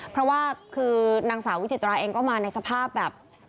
เพราะว่าคือนางสาววิจิตราเองก็มาในสภาพแบบ